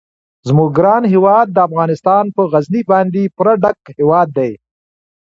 زموږ ګران هیواد افغانستان په غزني باندې پوره ډک هیواد دی.